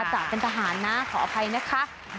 จากเป็นทหารนะขออภัยนะคะ